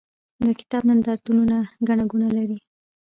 د کتاب نندارتونونه ګڼه ګوڼه لري.